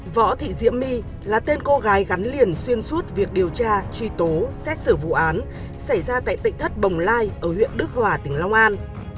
võ thị diễm my là tên cô gái gắn liền xuyên suốt việc điều tra truy tố xét xử vụ án xảy ra tại tỉnh thất bồng lai ở huyện đức hòa tỉnh long an